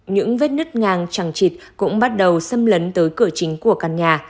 những vết nứt ngang chẳng chịt cũng bắt đầu xâm lấn tới cửa chính của căn nhà